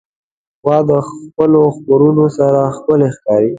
غوا د خپلو ښکرونو سره ښکلي ښکاري.